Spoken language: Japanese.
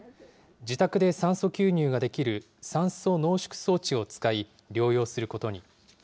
自宅で酸素吸入ができる酸素濃縮装置を使い、療養することに。